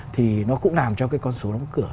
thì nó cũng làm cho cái con số đóng cửa